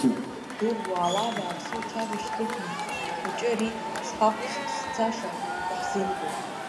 Дур, уаала абааԥсы уҽага шьҭыхны, ахәыҷы ари, зхахәс сцаша, даҳзылбоит!